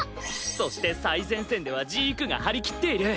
そして最前線ではジークが張り切っている。